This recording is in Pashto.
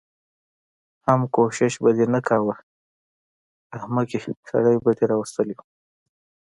حم کوشش به دې نه کوه احمقې سړی به دې راوستی و.